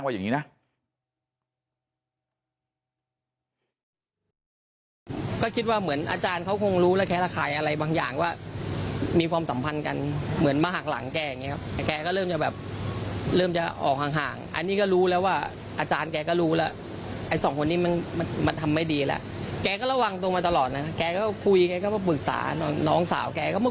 นี่ชาวบ้านเขาอ้างว่าอย่างนี้นะ